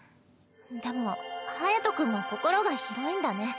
でも隼君も心が広いんだね。